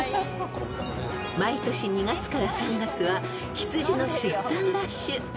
［毎年２月から３月は羊の出産ラッシュ］